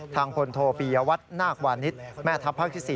ทางพลโทปียวัตรนาควานิสแม่ทัพภาคที่๔